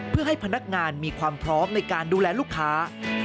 เพื่อให้พนักงานมีความพร้อมในการดูแลลูกค้า